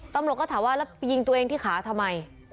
ตำรวจก็ถามว่าแล้วยิงตัวเองที่ขาทำไม